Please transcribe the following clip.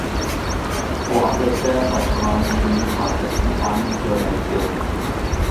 ئۇ ئادەتتە باشقىلارنىڭ كۈندىلىك خاتىرىسىنى ئانچە كۆرمەيتتى.